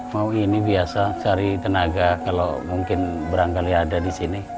mau ini biasa cari tenaga kalau mungkin berangkali ada di sini